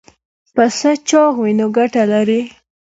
پسه چاغ وي نو ګټه لري.